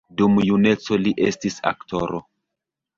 Dum juneco li estis aktoro.